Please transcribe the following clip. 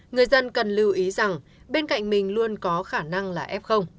người dân cần lưu ý rằng bên cạnh mình luôn có khả năng là f